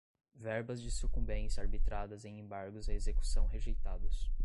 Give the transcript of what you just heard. verbas de sucumbência arbitradas em embargos à execução rejeitados